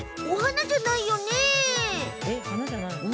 お花じゃないよね？